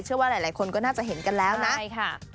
เชื่อว่าหลายคนก็น่าจะเห็นกันแล้วนะใช่ค่ะ